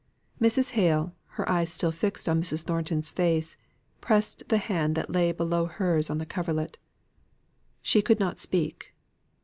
Mrs. Hale, her eyes still fixed on Mrs. Thornton's face, pressed the hand that lay below hers on the coverlet. She could not speak.